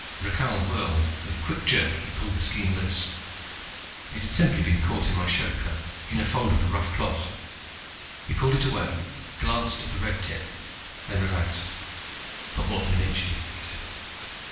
Rakhal whirled and with a quick jerk he pulled the skean loose. It had simply been caught in my shirtcloak, in a fold of the rough cloth. He pulled it away, glanced at the red tip, then relaxed. "Not more than an inch deep," he said.